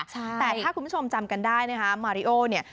แต่ถ้าคุณผู้ชมจำกันได้นะคะมาริโอเนี่ย